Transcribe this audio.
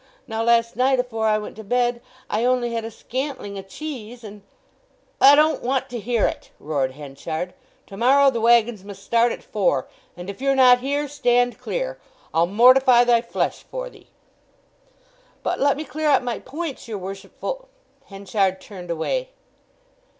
Now last night, afore I went to bed, I only had a scantling o' cheese and—" "I don't want to hear it!" roared Henchard. "To morrow the waggons must start at four, and if you're not here, stand clear. I'll mortify thy flesh for thee!" "But let me clear up my points, your worshipful——" Henchard turned away.